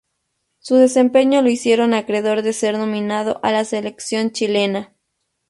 Su desempeño lo hicieron acreedor de ser nominado a la selección chilena.